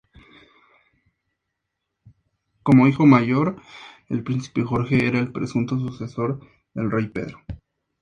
Como hijo mayor, el príncipe Jorge era el presunto sucesor del rey Pedro.